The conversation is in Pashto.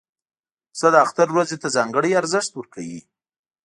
پسه د اختر ورځې ته ځانګړی ارزښت ورکوي.